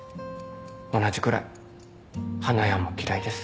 同じくらい花屋も嫌いです。